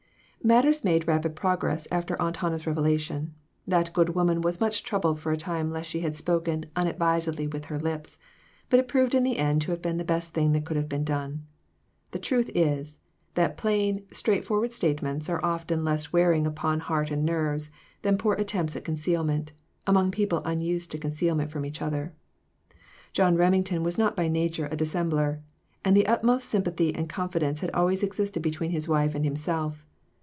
MATTERS made rapid progress after Aunt Hannah's revelation. That good woman was much troubled for a time lest she had spoken "unadvisedly with her lips"; but it proved in the end to have been the best thing that could have been done. The truth is, that plain, straightforward statements are often less wearing upon heart and nerves, than poor attempts at concealment, among people unused to conceal ments from each other. John Remington was not by nature a dissembler, and the utmost sym pathy and confidence had always existed between his wife and himself.